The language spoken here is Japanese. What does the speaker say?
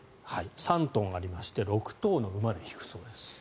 ３トンありまして６頭の馬で引くそうです。